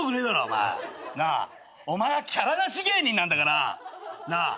お前はキャラなし芸人なんだからなあ。